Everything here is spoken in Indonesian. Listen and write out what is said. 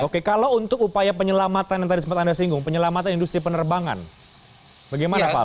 oke kalau untuk upaya penyelamatan yang tadi sempat anda singgung penyelamatan industri penerbangan bagaimana pak al